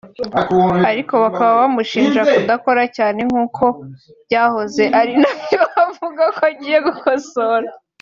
ariko bakaba bamushinja kudakora cyane nkuko byahoze ari nabyo avuga ko agiye gukosora